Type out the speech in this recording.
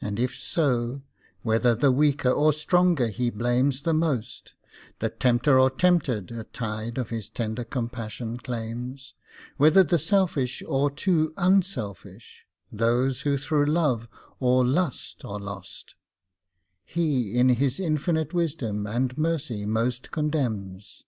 And if so, whether the weaker or stronger He blames the most, The tempter or tempted a tithe of His tender compassion claims, Whether the selfish or too unselfish, those who through love or lust are lost, He in His infinite wisdom and mercy most condemns.